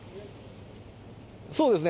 そうですね。